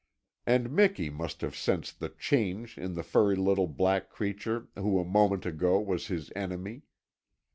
And Miki must have sensed the change in the furry little black creature who a moment ago was his enemy.